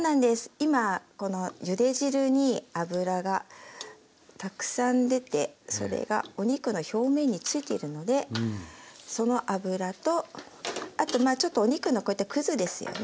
今このゆで汁に脂がたくさん出てそれがお肉の表面に付いているのでその脂とあとちょっとお肉のこういったくずですよね。